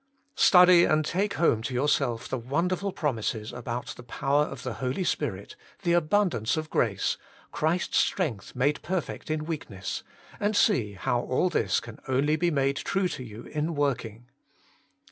Study and take home to yourself the wonderful prom ises about the power of the Holy Spirit, the abundance of grace, Christ's strength made perfect in weakness, and see how all this can only be made true to you in zvorking.